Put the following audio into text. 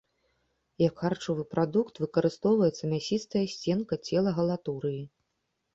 Як харчовы прадукт выкарыстоўваецца мясістая сценка цела галатурыі.